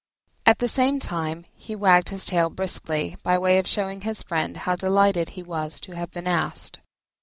At the same time he wagged his tail briskly, by way of showing his friend how delighted he was to have been asked.